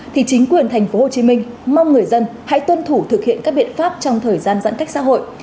thì chính quyền tp hcm mong người dân hãy tuân thủ thực hiện các biện pháp trong thời gian giãn cách xã hội